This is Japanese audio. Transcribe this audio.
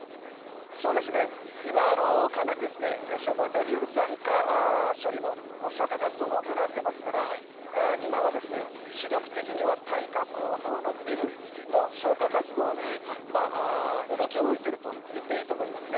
今、かなり消防隊による残火処理の消火活動が行われてますから、今は主力的には耐火構造のビルの消火活動に重きを置いてると言っていいと思いますね。